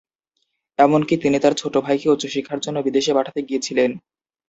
এমনকি তিনি তার ছোট ভাইকে উচ্চ শিক্ষার জন্য বিদেশে পাঠাতে গিয়েছিলেন।